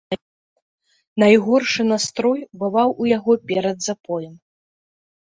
Найгоршы настрой бываў у яго перад запоем.